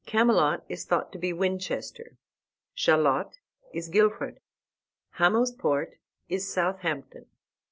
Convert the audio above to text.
Camelot is thought to be Winchester. Shalott is Guilford. Hamo's Port is Southampton.